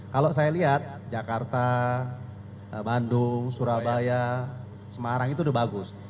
kalau saya lihat jakarta bandung surabaya semarang itu udah bagus